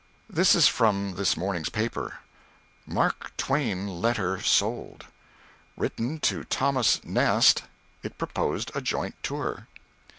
This is from this morning's paper: MARK TWAIN LETTER SOLD. _Written to Thomas Nast, it Proposed a Joint Tour.